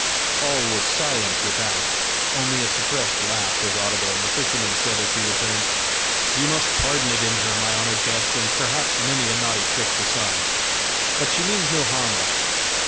All was silent without, only a suppressed laugh was audible, and the fisherman said as he returned: "You must pardon it in her, my honored guest, and perhaps many a naughty trick besides; but she means no harm by it.